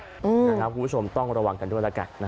คุณผู้ชมต้องระวังกันด้วยแล้วกัน